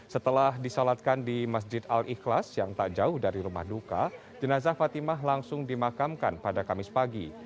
setelah disalatkan di masjid al ikhlas yang tak jauh dari rumah duka jenazah fatimah langsung dimakamkan pada kamis pagi